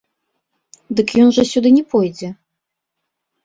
Дык ён жа сюды не пойдзе!